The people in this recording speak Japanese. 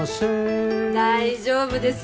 大丈夫です。